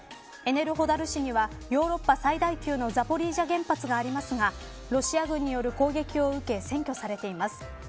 エネルホダル市にはヨーロッパ最大級のザポリージャ原発がありますがロシア軍による攻撃を受け占拠されています。